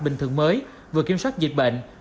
bình thường mới vừa kiểm soát dịch bệnh